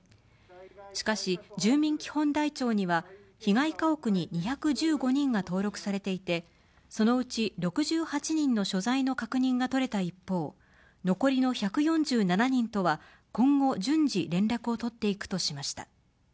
しかし、住民基本台帳には被害家屋に２１５人が登録されていてそのうち６８人の所在の確認がとれた一方残りの１４７人とは今後順次連絡を取っていくとしました。